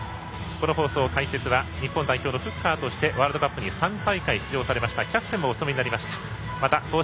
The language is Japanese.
この放送、解説は日本代表のフッカーとしてワールドカップに３大会出場されましたキャプテンもお務めになりました。